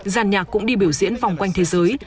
giàn nhạc cũng đi biểu diễn vòng quanh thế giới